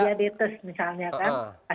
di diabetes misalnya kan